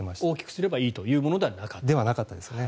大きくすればいいというものではなかった。